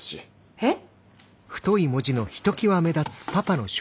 えっ？